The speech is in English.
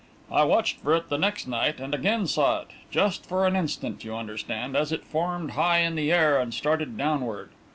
I watched for it the next night, and again saw it just for an instant, you understand, as it formed high in the air and started downward.